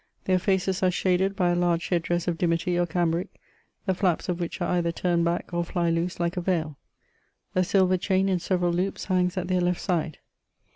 Their faces are shaded hy a large head dress of dimity or cambric, the flaps of which are either turned back or fly loose like a veil. A silver chain in several loops hangs at iheir left side.